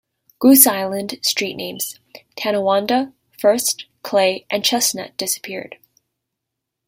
Goose Island street names Tonawanda, First, Clay and Chestnut disappeared.